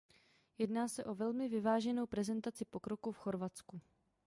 Jedná se o velmi vyváženou prezentaci pokroku v Chorvatsku.